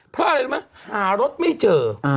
เพราะอะไรไม่หารถไม่เจอ